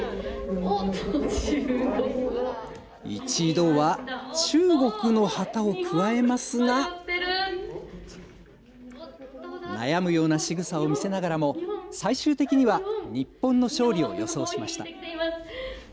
一度は中国の旗をくわえますが悩むようなしぐさを見せながらも最終的には日本の勝利を予想しました。